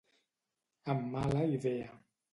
Amb mala idea.